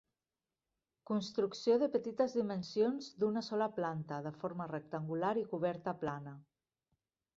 Construcció de petites dimensions d'una sola planta, de forma rectangular, i coberta plana.